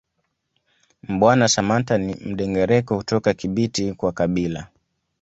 Mbwana Samatta ni Mndengereko kutoka Kibiti kwa kabila